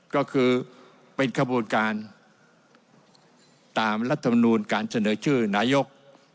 ก็คือเป็นขบวนการตามรัฐมนูลการเสนอชื่อนายก